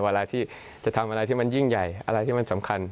เวลาที่จะทำอะไรที่มันยิ่งใหญ่อะไรที่มันสำคัญ